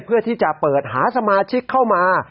เพื่อที่จะเปิดหาสมาชิกเข้ามา